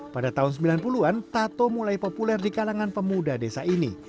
pada tahun sembilan puluh an tato mulai populer di kalangan pemuda desa ini